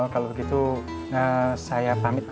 kalau begitu saya pamit